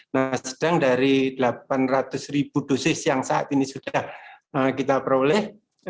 nah sedang dari delapan ratus ribu dosis yang saat ini sudah kita peroleh